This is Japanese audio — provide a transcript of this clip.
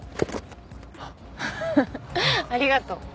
フフッありがとう。